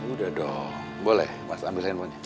udah dong boleh mas ambil handphonenya